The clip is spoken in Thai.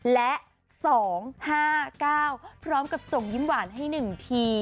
และ๒๕๙พร้อมกับส่งยิ้มหวานให้๑ที